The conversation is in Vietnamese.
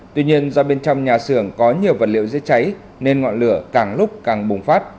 tuy nhiên do bên trong nhà xưởng có nhiều vật liệu dễ cháy nên ngọn lửa càng lúc càng bùng phát